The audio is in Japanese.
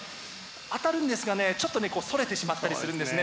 当たるんですがねちょっとそれてしまったりするんですね。